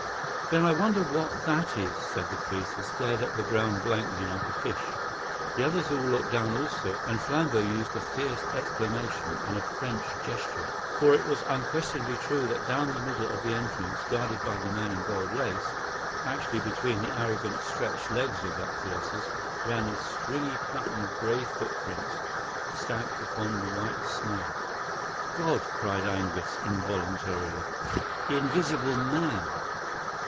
"Then I wonder what that is?" said the priest, and stared at the ground blankly like a fish. The others all looked down also; and Flambeau used a fierce exclamation and a French gesture. For it was unquestionably true that down the middle of the entrance guarded by the man in gold lace, actually between the arrogant, stretched legs of that colossus, ran a stringy pattern of grey footprints stamped upon the white snow. "God!" cried Angus involuntarily, "the Invisible Man!"